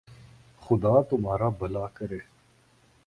خدا تمہارر بھلا کرے